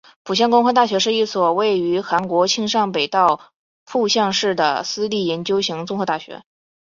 浦项工科大学是一所位于韩国庆尚北道浦项市的私立研究型综合大学。